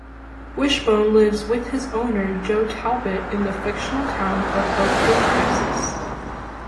Wishbone lives with his owner Joe Talbot in the fictional town of Oakdale, Texas.